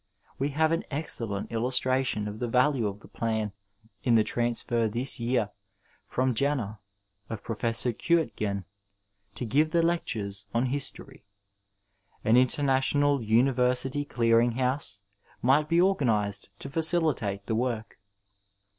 We have an excellent illustration of the value of the plan in the transfer this year from Jena of Prof. Eeutgen to give the lectures on History. An international university clearing house might be organic to faciUtate the work.